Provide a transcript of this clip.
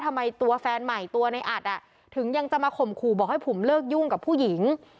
ทำไมตัวแฟนใหม่ตัวในอัดอ่ะถึงยังจะมาข่มขู่บอกให้ผมเลิกยุ่งกับผู้หญิง